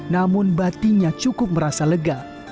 namun batinya cukup merasa lega